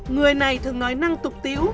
người này thường nói năng tục tiếu